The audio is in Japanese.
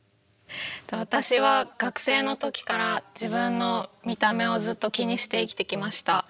私は学生の時から自分の見た目をずっと気にして生きてきました。